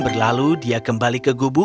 di ruang luar muzik dalamibu